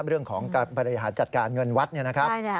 เรื่องของการบริหารจัดการเงินวัดเนี่ยนะครับ